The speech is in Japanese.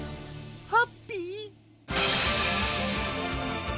ハッピー？